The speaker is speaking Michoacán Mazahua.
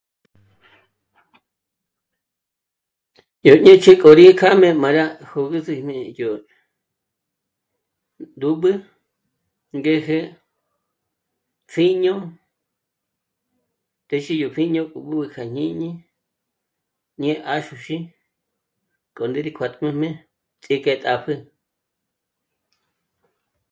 Yó nêch'e k'o rí kjájme m'a dyá jö̀güzü nì yó ndùb'ü ngéje pjíño... téxi yó pjíño b'ǚb'ü kja jñíni ñé 'àxuxí k'o ndé rí kuát'm'ajmé ts'íké tàpjü